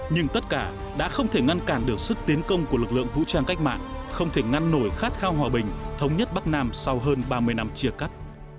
nhưng tất cả đã không thể ngăn cản được sức tiến công của lực lượng vũ trang cách mạng không thể ngăn nổi khát khao hòa bình thống nhất bắc nam sau hơn ba mươi năm chia cắt